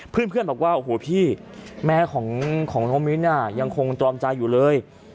เพื่อนบอกว่าโอ้โหพี่แม่ของน้องมิ้นยังคงตรอมใจอยู่เลย